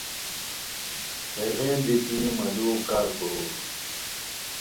ہیغین دیتی مہ لُوؤ کارکورور